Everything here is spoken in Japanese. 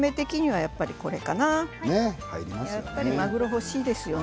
やっぱりまぐろが欲しいですよね。